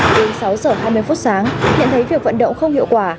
đến sáu giờ hai mươi phút sáng nhận thấy việc vận động không hiệu quả